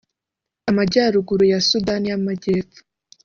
Amajyaruguru ya Sudani y’Amajyepfo